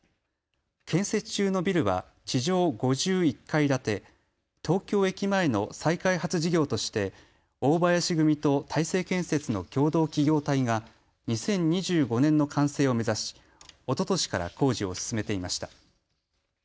建設中のビルは地上５１階建て、東京駅前の再開発事業として大林組と大成建設の共同企業体が２０２５年の完成を目指しおととしから工事を進めていました。